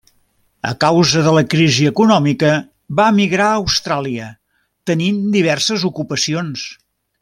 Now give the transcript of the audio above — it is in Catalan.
A causa de la crisi econòmica, va emigrar a Austràlia tenint diverses ocupacions.